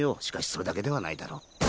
しかしそれだけではないだろう？